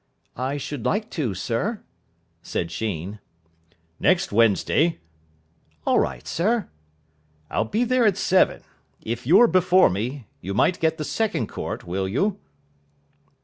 "I should like to, sir," said Sheen. "Next Wednesday?" "All right, sir." "I'll be there at seven. If you're before me, you might get the second court, will you?"